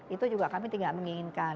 itu juga kami tidak menginginkan